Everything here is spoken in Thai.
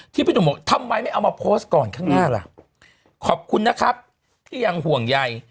พี่หนุ่มบอกทำไมไม่เอามาโพสต์ก่อนข้างหน้าล่ะขอบคุณนะครับที่ยังห่วงใย